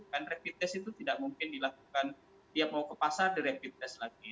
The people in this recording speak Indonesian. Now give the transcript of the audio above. kan rapid test itu tidak mungkin dilakukan dia mau ke pasar di rapid test lagi